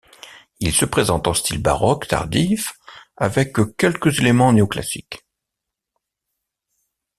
Il se présente en style baroque tardif avec quelques éléments néo-classiques.